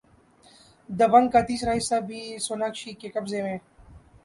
دبنگ کا تیسرا حصہ بھی سوناکشی کے قبضے میں